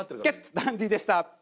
ダンディでした。